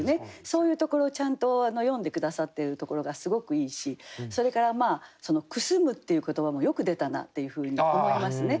そういうところをちゃんと詠んで下さってるところがすごくいいしそれからその「くすむ」っていう言葉もよく出たなっていうふうに思いますね。